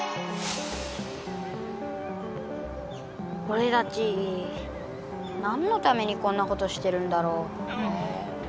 おれたち何のためにこんなことしてるんだろう？